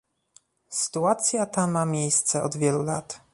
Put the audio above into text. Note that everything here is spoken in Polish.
Sytuacja ta ma miejsce od wielu lat